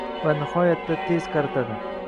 ammo nihoyatda tez qaritadi.